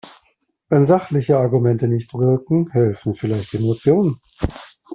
Wenn sachliche Argumente nicht wirken, helfen vielleicht Emotionen.